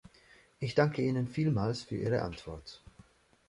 Ich danke Ihnen vielmals für Ihre Antwort.